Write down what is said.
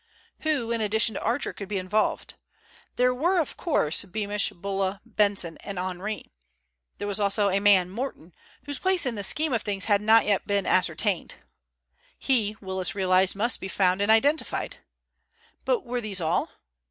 Who, in addition to Archer, could be involved? There were, of course, Beamish, Bulla, Benson, and Henri. There was also a man, Morton, whose place in the scheme of things had not yet been ascertained. He, Willis realized, must be found and identified. But were these all?